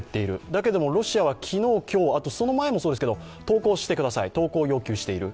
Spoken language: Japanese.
だけども、ロシアは昨日、今日、その前もそうですけど投降してくださいと投降を要求している。